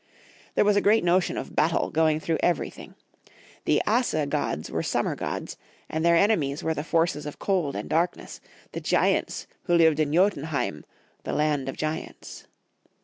There was a great notion of battle going through everything. The Asa gods were summer gods, and their enemies were the forces of cold and darkness, the giants who lived in Jotenheim, the land of giants.